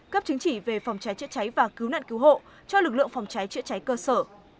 cấp chứng chỉ về phòng cháy chữa cháy và cứu nạn cứu hộ cho lực lượng phòng cháy chữa cháy cơ sở